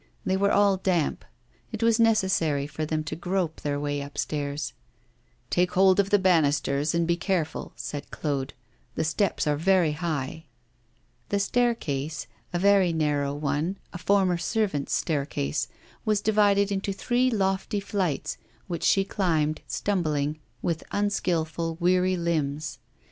They were all damp. It was necessary for them to grope their way upstairs. 'Take hold of the banisters, and be careful,' said Claude; 'the steps are very high.' The staircase, a very narrow one, a former servants' staircase, was divided into three lofty flights, which she climbed, stumbling, with unskilful, weary limbs.